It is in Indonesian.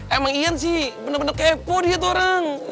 emang ian sih bener bener kepo dia tuh orang